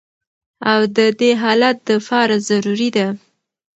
او د دې حالت د پاره ضروري ده